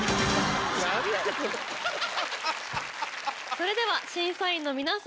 それでは審査員の皆さん